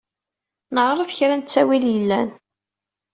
Neɛreḍ kra n ttawil yellan.